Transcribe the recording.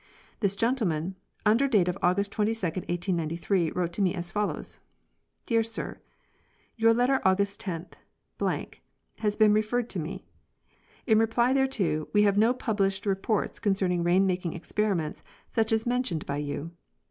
This gentleman, under date of August 22, 1893, wrote to me as follows: Dear Sir: Your letter, August 10, has been referred to me. In reply thereto, we have no published reports concerning rain making experiments such as mentioned by you.